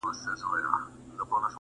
هڅه نه کول د ناکامۍ پیل دی